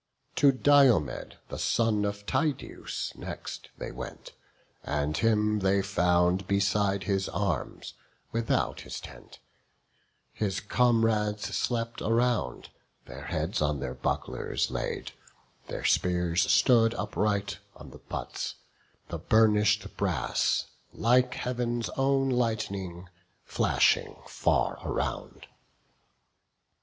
To Diomed, the son of Tydeus, next They went; and him they found beside his arms, Without his tent; his comrades slept around, Their heads upon their bucklers laid; their spears Stood upright, on the butts; the burnish'd brass Like Heav'n's own lightning, flashing far around.